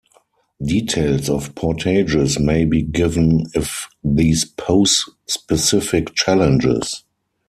Details of portages may be given if these pose specific challenges.